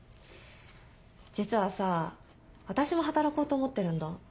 実はさ私も働こうと思ってるんだ。